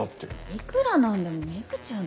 いくらなんでも「メグちゃん」って。